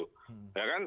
hmm ya kan